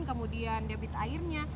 kemudian debit airnya